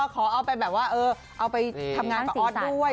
ขอเอาไปแบบว่าเอาไปทำงานกับออสด้วย